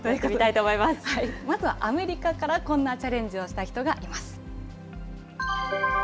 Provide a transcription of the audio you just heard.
まずはアメリカからこんなチャレンジをした人がいます。